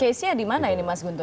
case nya dimana ini mas guntur